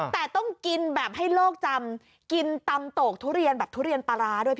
แต่ต้องกินแบบให้โลกจำทิมตำโตกธุเรียนแบบธุเรียนปลาร้า